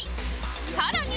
さらに